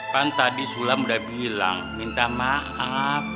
kan tadi sulam udah bilang minta maaf